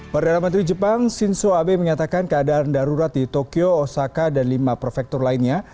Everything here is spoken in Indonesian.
perdana menteri jepang shinzo abe menyatakan keadaan darurat di tokyo osaka dan lima prefektur lainnya